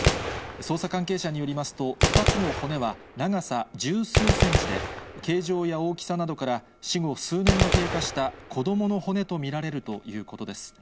捜査関係者によりますと、２つの骨は長さ十数センチで、形状や大きさなどから、死後数年が経過した子どもの骨と見られるということです。